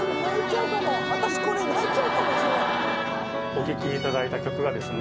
お聴きいただいた曲がですね